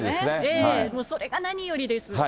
もうそれが何よりです。